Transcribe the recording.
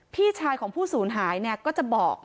พี่ชายของผู้สูญหายเนี่ยก็จะบอก